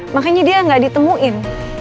makanya dia gak ditemuin